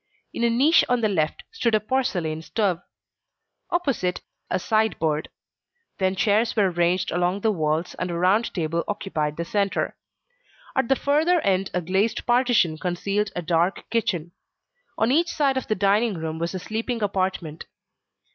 In a niche on the left stood a porcelain stove; opposite, a sideboard; then chairs were arranged along the walls, and a round table occupied the centre. At the further end a glazed partition concealed a dark kitchen. On each side of the dining room was a sleeping apartment.